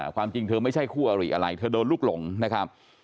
ความจริงเธอไม่ใช่คู่อริอะไรเธอโดนลูกหลงนะครับ